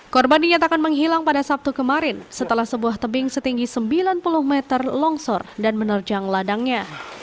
korban dinyatakan menghilang pada sabtu kemarin setelah sebuah tebing setinggi sembilan puluh meter longsor dan menerjang ladangnya